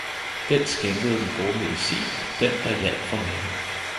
den skænkede den gode medicin, den der hjalp for maven.